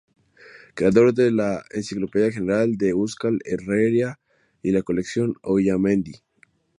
Creador de la la Enciclopedia General de Euskal Herria y la colección Auñamendi.